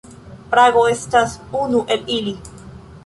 Prago estas unu el ili.